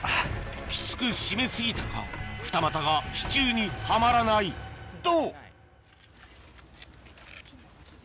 きつく締め過ぎたか二股が支柱にはまらないと！